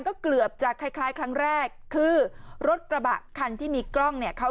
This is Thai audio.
ก็เกือบจะคล้ายคล้ายครั้งแรกคือรถกระบะคันที่มีกล้องเนี่ยเขา